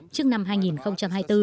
trước năm hai nghìn hai mươi bốn